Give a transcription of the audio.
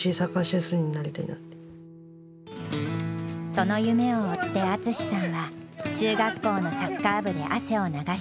その夢を追って淳さんは中学校のサッカー部で汗を流している。